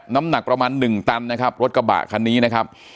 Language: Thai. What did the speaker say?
น้ำหนักประมาณหนึ่งตันนะครับรถกระบะคันนี้นะครับ